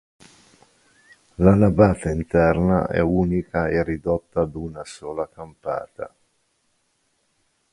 La navata interna è unica e ridotta ad una sola campata.